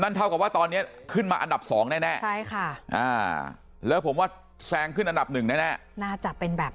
เท่ากับว่าตอนนี้ขึ้นมาอันดับ๒แน่ใช่ค่ะแล้วผมว่าแซงขึ้นอันดับหนึ่งแน่น่าจะเป็นแบบ